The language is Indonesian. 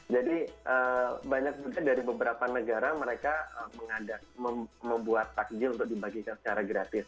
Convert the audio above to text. jadi banyak juga dari beberapa negara mereka mengadak membuat takjil untuk dibagikan secara gratis